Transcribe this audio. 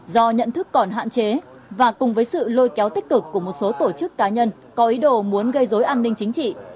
do nhận thức còn hạn chế và cùng với sự lôi kéo tích cực của một số tổ chức cá nhân có ý đồ muốn gây dối an ninh chính trị